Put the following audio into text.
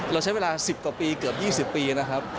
เราใช้เวลาสิบกว่าปีเกือบยี่สิบปีนะครับ